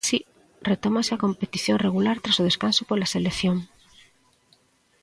Si, retómase a competición regular tras o descanso polas selección.